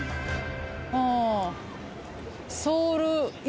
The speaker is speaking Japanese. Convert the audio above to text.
ああ。